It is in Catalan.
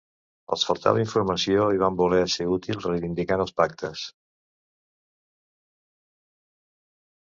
Els faltava informació i vam voler ser útils reivindicant els pactes.